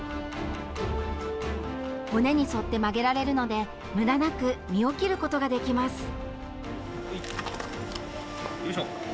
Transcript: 骨に沿って曲げられるので無駄なく身を切ることができます。